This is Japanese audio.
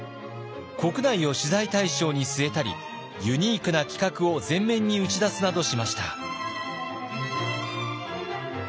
国内を取材対象に据えたりユニークな企画を前面に打ち出すなどしました。